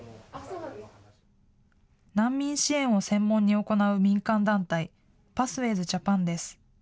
難民支援を専門に行う民間団体、パスウェイズ・ジャパンです。